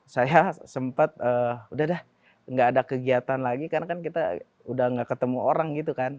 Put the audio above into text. saya sempat udah deh nggak ada kegiatan lagi karena kan kita udah gak ketemu orang gitu kan